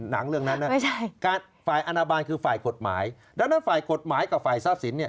หนังเรื่องนั้นฝ่ายอนาบาลคือฝ่ายกฎหมายดังนั้นฝ่ายกฎหมายกับฝ่ายทรัพย์สินเนี่ย